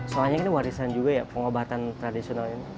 soalnya ini warisan juga ya pengobatan tradisional ini